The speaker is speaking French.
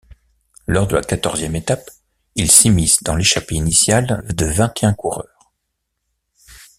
Lors de la quatorzième étape, il s'immisce dans l'échappée initiale de vingt-et-un coureurs.